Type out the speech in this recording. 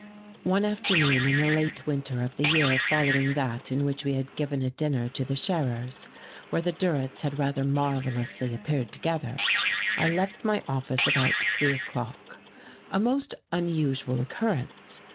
One afternoon in the late winter of the year following that in which we had given a dinner to the Scherers (where the Durretts had rather marvellously appeared together) I left my office about three o'clock a most unusual occurrence.